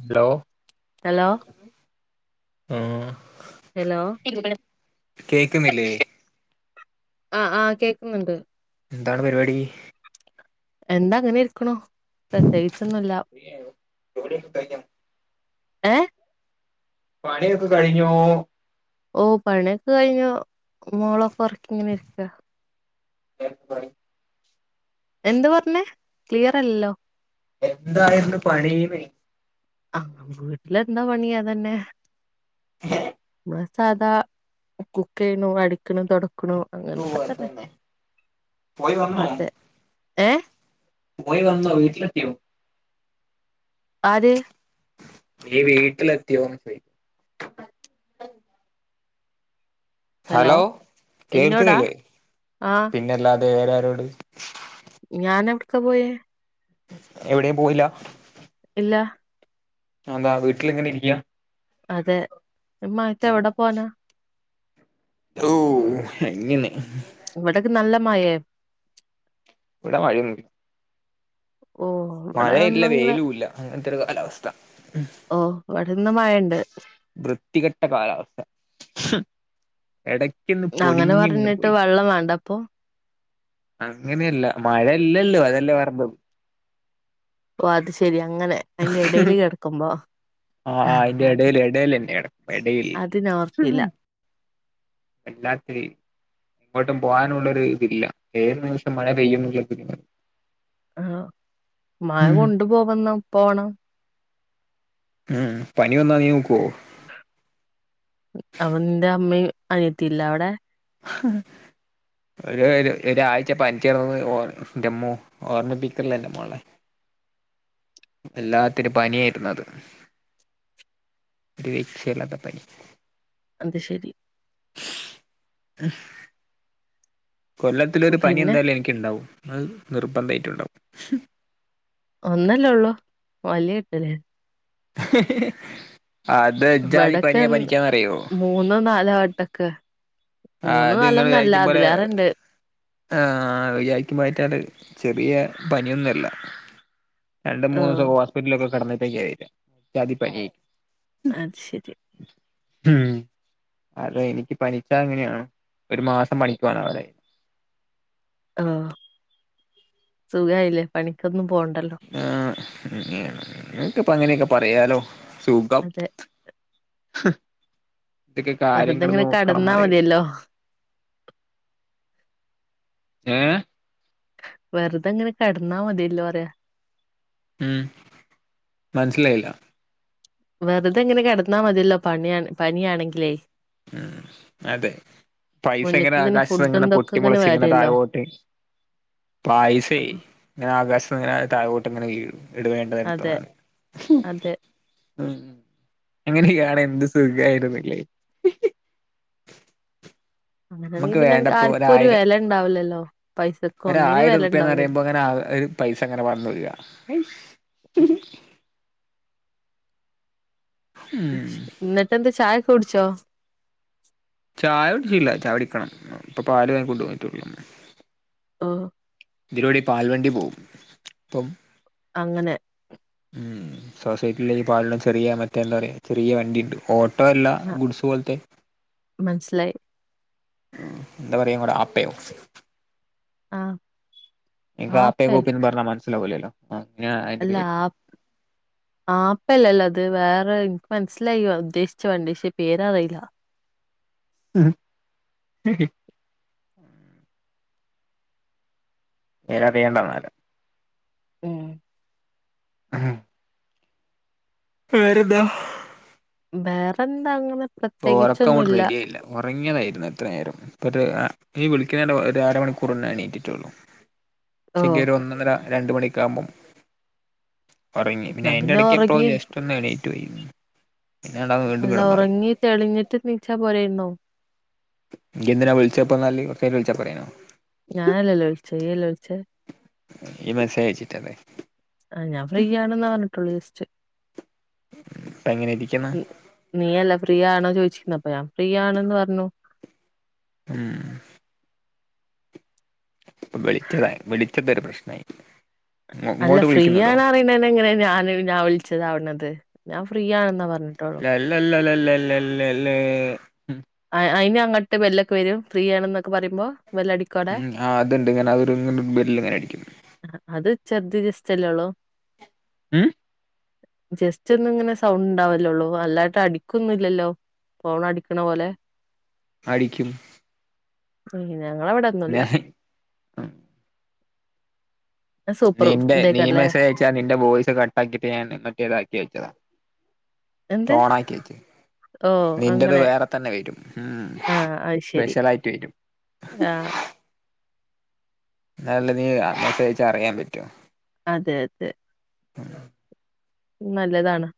Hello hello ഉം hello ആഹ് ആഹ് കേക്കുന്നുണ്ട് എന്താണ് പരിപാടി? എന്താ അങ്ങനെ ഇരിക്കണു പ്രത്യേകിച്ചൊന്നുമില്ല ചോറ് കഴിക്കാ ഏഹ് പണിയൊക്കെ കഴിഞ്ഞോ ഓ പണിയൊക്കെ കഴിഞ്ഞു മോളൊക്കെ ഉറക്കിങ്ങനെ ഇരിക്കാ [unintelligible] എന്ത് പറഞ്ഞേ ക്ലിയർ അല്ലല്ലോ എന്തായിരുന്നു പണീന്ന് ആഹ് വീട്ടില് എന്താ പണി അതന്നെ [unintelligible] നമ്മളെ സാധാ കുക്ക് ചെയ്യണു അടിക്കണു തുടക്കണു അങ്ങനൊക്കെ തന്നെ പോയി വന്നോ അതെ ഏഹ് പോയി വന്നോ വീട്ടിലെത്തിയോ ആര് നീ വീട്ടിലെത്തിയോന്ന് ഹലോ ഇന്നോടാ കേൾക്കുകേല്ലേ ആഹ് പിന്നല്ലാതെ വേറാരോട് ഞാൻ എവിടേക്കാ പോയേ എവിടെയും പോയില്ല ഇല്ലാ അതെന്താ വീട്ടിലിങ്ങനെ ഇരിക്കിയാ അതെ ഈ മയത്ത് എവിടെ പോവാനാ ഓഹ് അങ്ങനെ ഇവിടൊക്കെ നല്ല മയയാ ഇവിടെ മഴയൊന്നൂല്ല ഓഹ് മഴയില്ല വെയിലൂല്ല അങ്ങനത്തൊരു കാലാവസ്ഥ ഓ ഇവിടിന്ന് മഴയൊണ്ട് വൃത്തികെട്ട കാലാവസ്ഥ എടയ്ക്കി അങ്ങനെ പറഞ്ഞിട്ട് വെള്ളം വേണ്ടപ്പോ അങ്ങനെയല്ല മഴയില്ലല്ലോ അതല്ലേ വെറുതെ ഓ അത്ശെരി അങ്ങനെ അയിന്റെ എടേല് കെടക്കുമ്പോ ആഹ് ആഹ് അയിന്റെ എടേല് എടോലെന്നെ കടക്കുമ്പോ എടയിൽ അതിനോർത്തില്ല വല്ലാത്തൊരീ എങ്ങോട്ടും പോകാനുള്ളൊരു ഇതില്ല ഏതുനിമിഷവും മഴ പെയ്യുംന്നുള്ളാരു ആഹ് ഉം മയകൊണ്ടു പോവുന്ന പോണം ഉം പനി വന്നാ നീ നോക്കോ അവൻ്റെ അമ്മയും അനിയത്തില്ലേവിടെ [unintelligible] ഒരു ഒര ഒരായ്ച പനിച്ച് കിടന്നത് ഓ എൻ്റമ്മോ ഓർമ്മിപ്പിക്കല്ലേ എൻ്റെമോളെ വല്ലാത്തൊരു പനിയാരുന്നു അത് ഒരു രഷേല്ലാത്ത പനി അത് ശെരി കൊല്ലത്തിലൊരു പനി പിന്നെ എന്തായാലും എനിക്കുണ്ടാവും അത് നിർബന്ധായിട്ടുണ്ടാവും ഒന്നല്ലേ ഉള്ളൂ വല്യേട്ടല്ലേ അത് എജാതി ഇവിടൊക്കെ പനിയാ പനിക്കാന്നറിയോ? മൂന്നോ നാലോ വട്ടൊക്ക അത് നിങ്ങൾ മൂന്നോനാലോന്നല്ല വിചാരിക്കും പോലെ അതിലാറണ്ട്. ആഹ് [unintelligible] ചെറിയ പനിയൊന്നല്ല. രണ്ട് ആഹ് മൂന്നുസക്കെ ഹോസ്പിറ്റലിലൊക്കെ കടന്നട്ടില്ലേ എജ്ജാതി പനി. അത് ശരി. ഉം. അതെ എനിക്ക് പനിച്ചാ അങ്ങനെയാ, ഒരു മാസം പണിക്കോവാനാവൂലേ. ആഹ് സുഖായില്ലേ പണിക്കൊന്നും പോണ്ടല്ലോ. ആഹ് നിങ്ങക്കിപ്പ അങ്ങനെയൊക്കെ പറയാലോ. സുഖം. അതെ ഹ് [unintelligible] കാര്യങ്ങള് വെറുതെങ്ങനെ കെടന്നാ നോക്കണന്നറിയോ. മതിയല്ലോ ഏഹ് വെറുതെങ്ങനെ കെടന്നാ മതിയല്ലോ പറയാ. ഉം മനസിലായില്ല. വെറുതെങ്ങനെ കെടന്നാ മതിയല്ലോ പണിയ പനിയാണെങ്കിലേ. ഉം അതെ പൈസങ്ങനെ മുന്ന്ക്ക് ആകാശത്ത് ഫുഡും ഇങ്ങനെ ഇതൊക്കെ പൊട്ടി മൊളച്ച് ഇങ്ങനെ വരുല്ലോ താഴോട്ട് പൈസേ ഇങ്ങനെ ആകാശത്തിങ്ങനെ താഴോട്ട് ഇങ്ങനെ വീഴും, ഇട വേണ്ട അതെ ഇടുത്തോളാന്. അതെ ഉം അങ്ങനെക്കാണേ എന്ത് സുഖാരുന്നില്ലേ. അങ്ങനെയാണെങ്കി നമക്ക് പിന്നെ അനക്ക് വേണ്ടപ്പോ ആർക്കും ഒരു ഒരായിരം വെല ഉണ്ടാവില്ലല്ലോ പൈസക്ക് ഒന്നിനും ഒരായിര വെല റുപ്യന്ന് ഉണ്ടാവില്ലല്ലോ പറയുമ്പോ അങ്ങനെ ആ ഒരു പൈസങ്ങനെ പറന്ന് വീഴാ. ഉം ഇന്നതെന്തു ചായൊക്ക കുടിച്ചോ? ചായ കുടിച്ചീലാ, ചായ കുടിക്കണം. ഇപ്പൊ പാല് വാങ്ങി കൊണ്ടന്നിട്ടള്ളൂ. ആഹ്. ഇതിലൂടെ പാൽവണ്ടി പോവും അപ്പം അങ്ങനെ ഉം സൊസൈറ്റിയിലെക്ക പാലുള്ള ചെറിയ മറ്റേ എന്താ പറയാ ചെറിയ വണ്ടിണ്ട് ഓട്ട ട്ടല്ല ആ ഗുഡ്സ് പോലത്തെ. മനസ്സിലായി ഉം എന്ത പറയാ നമ്മടെ ആപ്പയോ, ആഹ് ഇങ്ങക്ക് ആപേന്ന് ഗൂപ്പിന്ന് പറഞ്ഞ മനസിലാവില്ലല്ലോ [unintelligible] അല്ലാ ആ [inaudible] ആപ്പല്ലല്ലോ അത്, വേറെ എനിക്ക് മനസ്സിലായി ഉദ്ദേശിച്ച വണ്ടി പക്ഷേ പേര് അറിയില്ല. ഉം പേര് അറിയേണ്ടന്നാല്. ഉം ഉം വേറെന്താ? വേറെന്താ അങ്ങനെ ഒറക്കം അങ്ങോട്ട് പ്രത്യേകിച്ചൊന്നുല്ല റെഡി ആയില്ല. ഒറങ്ങിയതായിരുന്നു ഇത്ര നേരം. ഇപ്പത് നീ വിളിക്കുന്നതിന്റെ ഒരു അരമണിക്കൂർ മുന്നെ എണീറ്റട്ടുള്ളൂ. ഓ ഉച്ചക്ക് ഒരു ഒന്നന്നര രണ്ട് മണിക്ക് ആകുമ്പോ ഒറങ്ങി. പിന്നെ എന്നാ അയ്ന്റെ ഇടക്ക്പ്പോ ഉറങ്ങി ജസ്റ്റ് ഒന്ന് എണീറ്റ് പോയി, പിന്നെ രണ്ടാമ അല്ല ഉറങ്ങി തെളിഞ്ഞിട്ട് നീച്ചാ പോരായിരുന്നോ? യ്യ് എന്തിനാ വിളിച്ചപ്പോ എന്നാല്. കൊറച്ചയിനിട്ട് വിളിച്ചാ പോരായിരുന്നോ? ഞാനല്ലല്ലോ വിളിച്ച് നീയല്ലെ വിളിച്ച് ഇയ്യ് മെസെജ് അയിച്ചിട്ടല്ലെ ആഹ് ഞാൻ ഫ്രീ ആണെന്ന് പറഞ്ഞിട്ടുള്ളൂ ജസ്റ്റ് ഉം ഇപ്പ എങ്ങനെ ഇരിക്ക്ണ് നീയല്ലെ ഫ്രീ ആണോ ചോദിച്ചീന്ന് അപ്പോ ഞാൻ ഫ്രീ ആണ്ന്ന് പറഞ്ഞു ഉം ഇപ്പോ വിളിച്ചതായി വിളിച്ചത് ഒരു പ്രശ്നായി അല്ല ഇങ്ങോട്ട് ഫ്രീ വിളിക്കുന്നുണ്ടോ ആണ് അറിയണന്നറിയന്നങ്ങനെ ഞാൻ ഞാൻ വിളിച്ചതാവണത് ഞാൻ ഫ്രീയാണെന്നാ പറഞ്ഞത് ല്ലല്ലല്ലല്ലല്ലല്ലേ അയിന് അങ്ങനത്തെ വെല്ലൊക്കെ വരും ഫ്രീ ആണ് എന്നൊക്കെ പറയുമ്പോ വെല്ലടി ഉം ആ അതുണ്ട് ഇങ്ങനെ ഒരു ബെല്ല് ഇങ്ങനെ അടിക്കും അത് ചെർത് ജെസ്റ്റ്ല്ലല്ലൊള്ളൂ ഉം ജസ്റ്റ് ഒന്ന് ഇങ്ങനെ സൗണ്ട് ഉണ്ടാവല്ലോളൂ അല്ലാണ്ട് അടിക്കൊന്നും ഇല്ലല്ലോ ഫോണടിക്ക്ണ പോലെ അടിക്കും ഉം ഞങ്ങള അവിടെ ഒന്നുല്ല സൂപ്പർ നിന്റെ നീ ഇതേക്കല്ലേ മെസ്സേജ് അയച്ചാ നിന്റെ വോയ്സ് കട്ട ആക്കിട്ട് ഞൻ മറ്റേതാക്കി വെച്ചതാ എന്ത് ഓണാക്കിവെക്ക് ഓ നിന്റത് അങ്ങനെ വേറെ തന്നെ വരും ഉം ആഹ് അത് ശരി സ്പെഷ്യൽ ആയിട്ട് വരും ആഹ് എന്നാലല്ലെ നീ മെസെജ് അയച്ചാ അറിയാൻ പറ്റൂ അതെ അതെ ഉം നല്ലതാണ്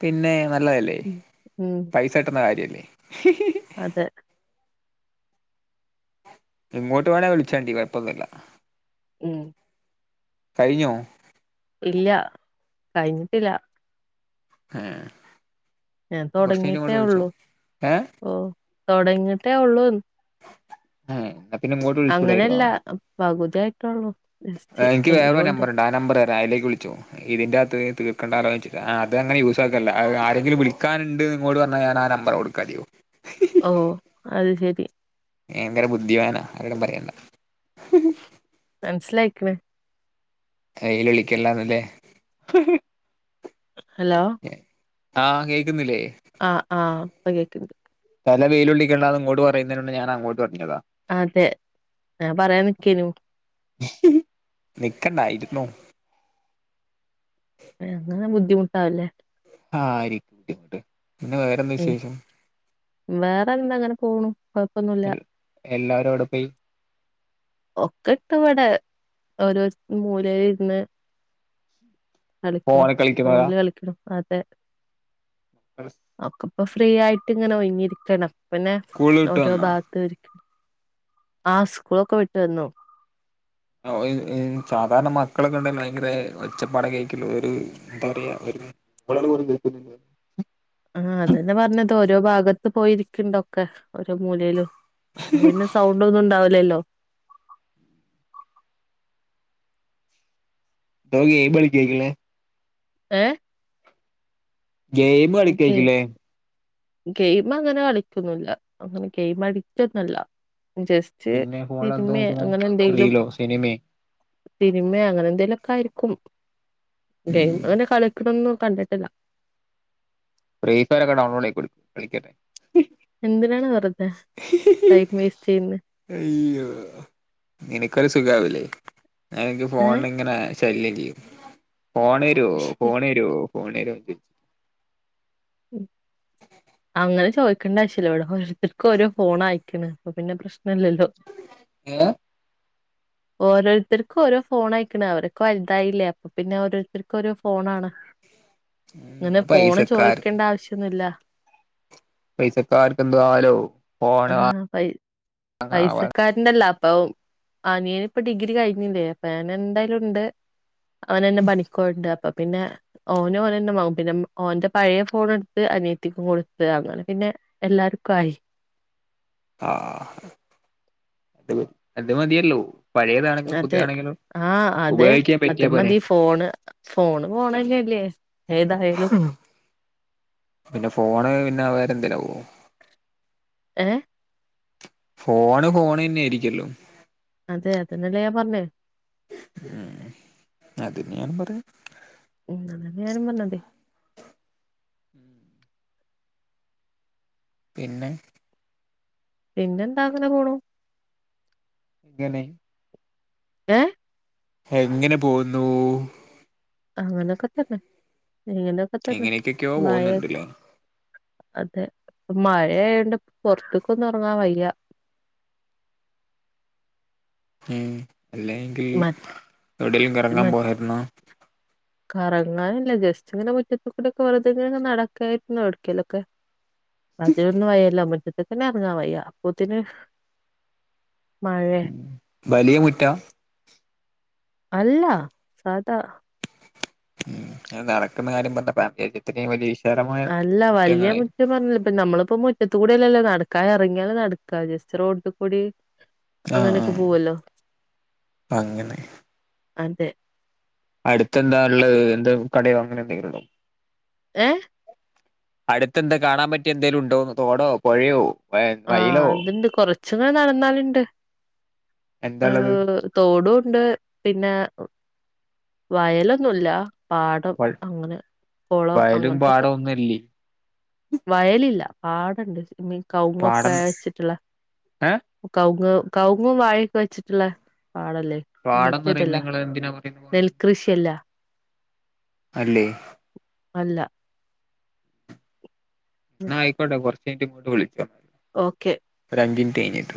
പിന്നെ നല്ലതല്ലെ ഉം ഉം പൈസ കിട്ട്ണ കാര്യല്ലെ അതെ ഇങ്ങോട്ട് വേണേ വിളിച്ചാണ്ടി കൊഴപ്പൊന്നില്ല ഉം കഴിഞ്ഞോ ഇല്ല കഴിഞ്ഞിട്ടില്ല ആഹ് ഞാൻ തുടങ്ങിട്ടേ ഉള്ളൂ ഏ ഓ തുടങ്ങിട്ടേ ഉള്ളൂ എന്നാ പിന്നെ ഇങ്ങോട് അങ്ങനെയല്ല പകുതിയിട്ടുള്ളൂ എനിക്ക് വേറെരു നമ്പർ ഉണ്ട് ആ നമ്പർ തരാ അതിലേക്ക് വിളിച്ചോ ഇതിന്റെത്ത് തീർക്കണ്ട ആലോചിച്ചിട്ട ആ അതങ്ങനെ യൂസാക്കല്ല ആരെങ്കില് വിളിക്കാണ്ട് എന്നങ്ങോട് പറഞ്ഞാ ഞാൻ ആ നമ്പർോടുക്കും കയോ ഓഹ് അത് ശരി ഭയങ്കര ബുദ്ധിമാനാ ആരോടും പറയേണ്ട മനസിലായിക്കണ് വെയിലൊളിക്കല്ലാന്നല്ലേ ഹലോ ആഹ് കേക്കുന്നില്ലേ ആഹ് ആഹ് പകേക്കണ്ട് തല വെയിലുള്ളിക്കണ്ടാന്ന് ഇങ്ങോട്ട് പറയുന്നയിന് ഞാനങ്ങോട്ട് പറഞ്ഞതാ അതെ ആഹ് പറയാൻ നിക്കേനു നിക്കണ്ട ഇരുന്നോ ഏഹ് അങ്ങനെ ബുദ്ധിമുട്ടാവല്ലേ ആരിക്കുംട്ടിങ്ങോട്ട് പിന്നെ വേറെന്താ വിശേഷം വേറെന്തന്താ അങ്ങനെ പോണു കൊഴപ്പൊന്നുല്ല എല്ലരുവിടെ പോയി ഒക്കെട്ട് ഇവിടെ ഓരോ മൂല ഇരുന്ന് കളിക്കണം ഫോണ് കളിക്കുന്നവരാ ഫോണില് കളിക്കണം അതെ ആഹ് ഒക്കെ ഇപ്പൊ ഫ്രീ ആയിട്ട് ഇങ്ങനെ ഒഴിഞ്ഞിരിക്കണ് അപ്പൊ പിന്നെ സ്കൂള് വിട്ട് ഓരോ വന്നോ ഭാഗത്തുംരിക്ക ആഹ് സ്കൂളൊക്കെ വിട്ട് വന്നു സാധാരണ മക്കള കണ്ട ഭയങ്കര ഒച്ചപ്പാട കേക്കല ഒരു എന്താ പറയ [unintelligible] ആഹ് അതന്നെ പറഞ്ഞത് ഓരോ ഭാഗത്ത് പോയിരിക്കണ്ടൊക്കെ ഓരോ മൂലയിലും അപ്പൊ പിന്നെ സൗണ്ട് ഒന്നും ഉണ്ടാവില്ലല്ലോ ദോ ഗെയിമ് കളിക്കേക്കുല്ലേ ഏഹ് ഗെയിം ഗെ കളിക്കെക്കുല്ലേ ഗെയിം അങ്ങനെ കളിക്കന്നില്ല അങ്ങനെ ഗെയിം അടിട്ടോന്നല്ല ജസ് പിന്നെ ഫോണിൽ എന്താ തിമേ നോക്കണു അങ്ങനെ എന്തെങ്കിലും റീലോ സിനിമേ സിനിമ അങ്ങനെ എന്തേലൊക്കെ ആയിരിക്കും ഗെയിം അങ്ങനെ കളിക്കണന്ന് കണ്ടിട്ടില്ല പ്രീഫയറൊക്കെ ഡൗൺലോഡ് ആയിക്കൊട് കളിക്കട്ടെ എന്തിനാണ് വെറുതെ ടൈം വേസ്റ്റ് ചെയ്യുന്ന അയ്യോ നിനിക്കൊരു സുഖവില്ലേ [unintelligible] എനിക്ക് ഫോണ ഇങ്ങനെ ശല്യം ചെയും ഫോൺരോ ഫോൺരോ ഫോൺരോ ഏ അങ്ങനെ ചോദിക്കണ്ട ആശ്യമല്ല ഇവിടെ ഒഓത്തർക്കുരോ ഫോൺ അയക്കണ് അപ്പോ പിന്നെ പ്രശ്നം ണല്ലല്ലോ ഏ ഓരോരുത്തർക്കും ഓരോ ഫോൺ അയക്കണ അവരക്കെ വലുതായില്ലേ പിന്നെ ഓരോരുത്തർക്ക് ഓരോ ഫോൺ ആണ് ഇങ്ങനെ ഫോണ് പൈസക്കാര് ചോദിക്കണ്ട ആവശ്യൊന്നില്ല പൈസക്കർക്കെന്ത ആവലോ ഫോണ [unintelligible] കാരണ്ടല്ല അപ്പൊ ആനിയൻ ഇപ്പ ഡിഗ്രി കഴിഞ്ഞില്ലേ അപ്പൊ എന്തായാലും ഉണ്ട്. അവനന്നെ പണിക്കോണ്ട് അപ്പൊ പിന്നെ. ഓന് ഓനന്ന വങ്ങും പിന്നെ ഓന്റെ പഴയ ഫോൺ എടുത്ത് അനി ത്തിക്കും കൊടുത്ത് അങ്ങനെ പിന്നെ എല്ലാർക്കും ആയി. ആഹ് അത മതിയല്ലോ പഴയണേങ്കിലും പുതിയ ആണെങ്കിലും ആഹ അതെ അത് മതി ഫോണ്. ഫോണ് പോണല്ലേല്ലേ ഏതായാലും. പിന്നെ ഫോണ് പിന്നെ വേറെ എന്തേകിലും അവോ ഏഹ് ഫോണ് ഫോണ് ന്നെ ആയിരിക്കല്ലോ. അതെ അതന്നല്ലേ ഞാൻ പറഞ്ഞേ ഉ അത്ന്നെയഞൻ പറയാം ഉം അതന്നെ ഞാനും പറഞ്ഞത്. ഉം പിന്നെ പിന്നെന്താ അങ്ങനെ പോണു. ഇങ്ങാനൊ ഏ എങ്ങനെ പോകുന്നു. അങ്ങനെയൊക്കെ തന്നെ ഇങ്ങനൊക്കെ തന്നെ എങ്ങനെയൊക്കൊക്കെയോ മായ. പോകുന്നുണ്ടല്ലേ അതെ മഴയണ്ട് പുറത്ത്ക്ക് ഒന്നും ഇറങ്ങാൻ വയ്യ. ഉ അല്ല എങ്കിൽ മ എവിടെേങ്കലും കറങ്ങാൻ മ പോയായിരുന്നോ. കറങ്ങാനില്ല ജസ്റ്റ് ഇങ്ങനെ മുറ്റത്ത് കൂടി ഒക്കെ വെറുതെനെ നടക്കായിരുന്നോ എടലൊക്കെ. അതിന്നും വയല്ല മുറ്റത്ത്ക് തന്നെ ഇറങ്ങാ വയ്യ അപ്പത്തിന്. മഴെ വലിയ മുറ്റ അല്ല സാദാ ഉ അത് നടക്കുന്ന കാര്യം പറഞ്ഞ വിചരിചു ത്തിനേ വലിയഷം അല്ല വല്യയ പറഞ്ഞ ഇപ്പ നമ്മളിപ്പോ മുറ്റത്ത് കൂടിയല്ലല്ലോ നടക്കാ ഇറങ്ങിയാല നടക്കാ ജസ്റ്റ് റോഡ് കൂടി ആഹ് അങ്ങനെയൊക്കെ ആഹ് പോവല്ലോ അങ്ങനെ അതെ. അടുത്ത് എന്താ ഉള്ള എന്താ കടയോ അങ്ങനെ എന്തെങ്കിലും ഉണ്ടോ? ഏഹ അടുത്ത് എന്താ കാണാൻ പറ്റി എന്തേങ്കലും ഉണ്ടോന്ന് തോടോ പുഴയോ? ആഹ അത്ണ്ട് കൊറച്ച്ങ്ങ് നടന്നാലുണ്ട്. എന്താള്ളത് തോടുംണ്ട് പിന്നെ വയലൊന്നുമല്ല പാടം അങ്ങനെ കുളം വയലും അങ്ങനത്തൊക്കെ. പാടവും ഒന്നും ഇല്ലേ വയലില്ല പാടണ്ട് മീൻസ് കൗങ്ങൊക്കെ പാടം വെച്ചിട്ടുള്ള. ഏഹ് കൗ കൗുങ്ങും വാഴയൊക്കെ വെച്ചിട്ടുള്ള പാടല്ലേ. പാടംന്ന് പറയുന്നത് മറ്റേതല്ല നിങ്ങള് എന്തിനാ. പറയുന്നത് പാടം നെൽകൃഷിയല്ല. അല്ലേ അല്ല ന്നാ ആയിക്കോട്ടെ കൊറച്ച് കഴിഞ്ഞിട്ട് വിളിക്കാ ഓക്കെ ഒരഞ്ചു മിനിറ്റ് കഴിഞ്ഞിട്ട്.